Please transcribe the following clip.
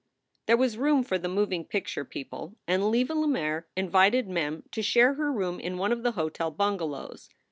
There was room for the moving picture people and Leva Lemaire invited Mem to share her room in one of the hotel bungalows.